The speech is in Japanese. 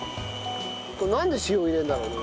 これなんで塩を入れるんだろうね？